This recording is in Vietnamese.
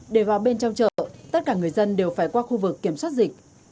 để vào bên trong chợ tất cả người dân đều phải qua khu vực kiểm soát dịch